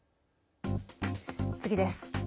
次です。